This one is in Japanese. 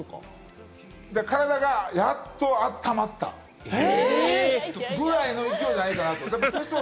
体がやっと温まったぐらいの勢いじゃないかなと。